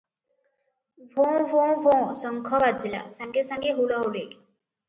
ଭୋଁ -ଭୋଁ -ଭୋଁ ଶଙ୍ଖ ବାଜିଲା! ସାଙ୍ଗେ ସାଙ୍ଗେ ହୁଳହୁଳି ।